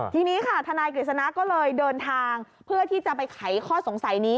ทีนี้ค่ะทนายกฤษณะก็เลยเดินทางเพื่อที่จะไปไขข้อสงสัยนี้